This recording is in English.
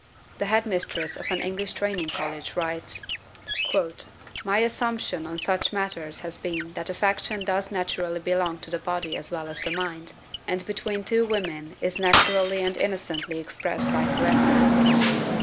The head mistress of an English training college writes: "My own assumption on such, matters has been that affection does naturally belong to the body as well as the mind, and between two women is naturally and innocently expressed by, caresses.